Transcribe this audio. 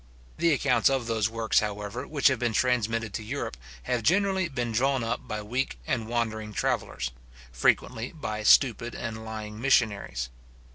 The accounts of those works, however, which have been transmitted to Europe, have generally been drawn up by weak and wondering travellers; frequently by stupid and lying missionaries.